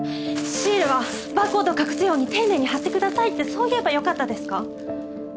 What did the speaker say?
シールはバーコードを隠すように丁寧に貼ってくださいってそう言えばよかったですか？